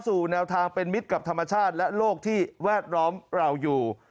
แนวทางเป็นมิตรกับธรรมชาติและโลกที่แวดล้อมเราอยู่